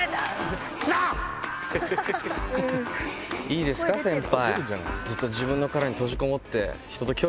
いいですか先輩。